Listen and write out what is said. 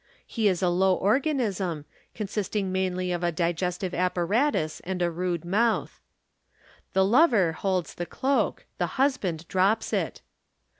He is a low organism, consisting mainly of a digestive apparatus and a rude mouth. The lover holds the cloak; the husband drops it.